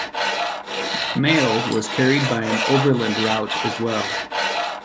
Mail was carried by an overland route, as well.